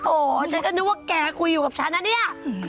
โอ้โหฉันก็นึกว่าแกคุยอยู่กับฉันนะเนี่ย